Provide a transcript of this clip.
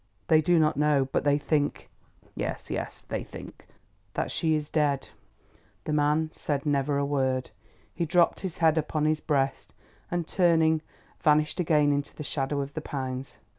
"They do not know, but they think——" "Yes, yes—they think——" "That she is dead." The man said never a word. He dropped his head upon his breast and, turning, vanished again into the shadow of the pines.